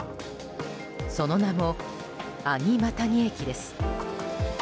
その名も、阿仁マタギ駅です。